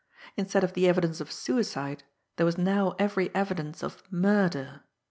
Instead of the evidence of suicide, there was now every evidence of murder.